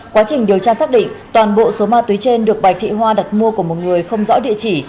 quá trình điều tra xác định toàn bộ số ma túy trên được bạch thị hoa đặt mua của một người không rõ địa chỉ